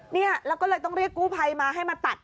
เนี่ยแล้วก็เลยต้องเรียกกู้ภัยมาให้มาตัด